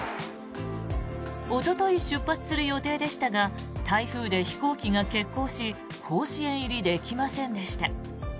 おととい出発する予定でしたが台風で飛行機が欠航し甲子園入りできませんでした。